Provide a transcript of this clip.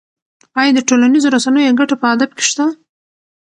ایا د ټولنیزو رسنیو ګټه په ادب کې شته؟